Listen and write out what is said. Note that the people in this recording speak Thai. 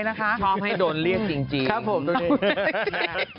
ชอบให้โดนเรียตจริง